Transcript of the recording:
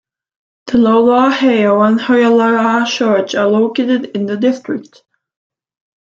The Loaloa Heiau and Huialoha Church are located in the district.